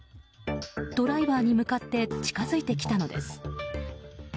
ドライバーに向かって近づいてきたのです。